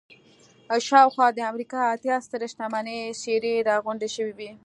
شاوخوا د امريکا اتيا سترې شتمنې څېرې را غونډې شوې وې.